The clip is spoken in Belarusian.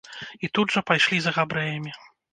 І тут жа пайшлі за габрэямі.